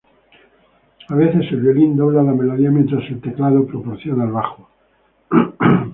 A veces, el violín dobla la melodía mientras el teclado proporciona el bajo.